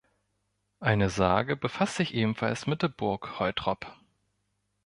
Eine Sage befasst sich ebenfalls mit der Burg Holtrop.